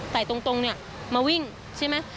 แต่ตรงเนี่ยมาวิ่งใช่ไหม